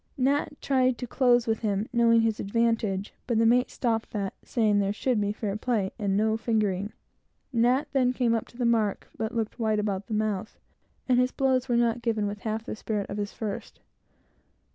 Nat tried to close with him, knowing his advantage, but the mate stopped that, saying there should be fair play, and no fingering. Nat then came up to the mark, but looked white about the mouth, and his blows were not given with half the spirit of his first.